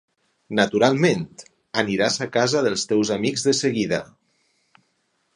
Naturalment, aniràs a casa dels teus amics de seguida.